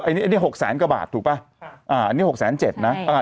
ไอ้นี่ไอ้นี่หกแสนกว่าบาทถูกป่ะค่ะอ่าอันนี้หกแสนเจ็ดน่ะอ่า